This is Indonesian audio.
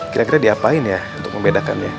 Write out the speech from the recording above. kira kira diapain ya untuk membedakannya